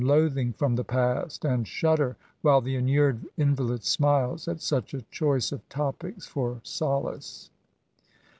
loathing from the past, and shudder, while the inured invalid smiles, at such ^ choice of topics for solace.